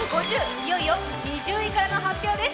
いよいよ２０位からの発表です。